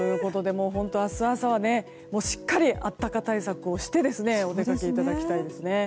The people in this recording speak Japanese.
明日朝はしっかり温か対策をしてお出かけいただきたいですね。